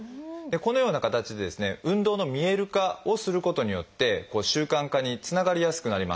このような形で運動の見える化をすることによって習慣化につながりやすくなります。